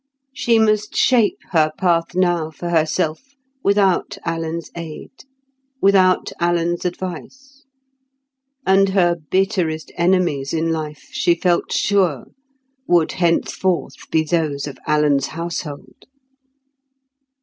She must shape her path now for herself without Alan's aid, without Alan's advice. And her bitterest enemies in life, she felt sure, would henceforth be those of Alan's household.